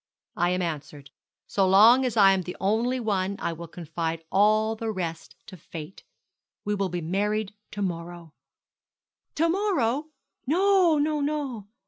'I am answered. So long as I am the only one I will confide all the rest to Fate. We will be married to morrow.' 'To morrow! No, no, no.'